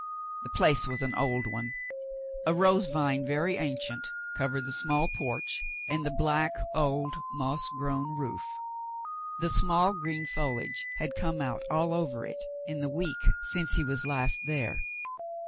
The place was an old one. A rose vine, very ancient, covered the small porch and the black, old, moss grown roof. The small green foliage had come out all over it in the week since he was last there.